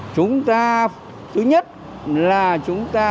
chúng ta thứ nhất là chúng ta phải